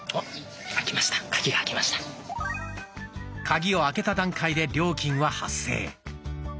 カギを開けた段階で料金は発生。